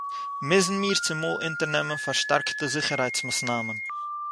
מוזן מיר צומאָל אונטערנעמען פאַרשטאַרקטע זיכערהייטס-מאָסנאַמען